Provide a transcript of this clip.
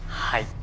はい。